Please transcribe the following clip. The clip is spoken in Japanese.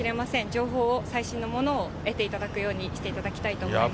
情報を、最新のものを得ていただくようにしていただきたいと思います。